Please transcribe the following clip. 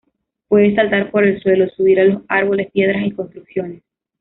Puede saltar por el suelo, subir a los árboles, piedras y construcciones.